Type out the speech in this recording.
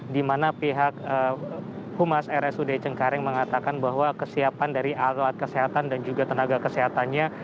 di mana pihak humas rsud cengkareng mengatakan bahwa kesiapan dari alat kesehatan dan juga tenaga kesehatannya